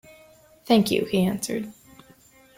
"Thank you," he answered.